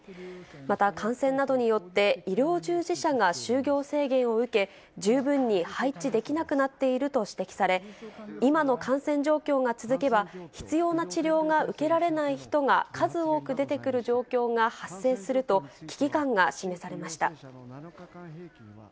また、感染などによって医療従事者が就業制限を受け、十分に配置できなくなっていると指摘され、今の感染状況が続けば、必要な治療が受けられない人が数多く出てくる状況が発生すると、危機感が示されました。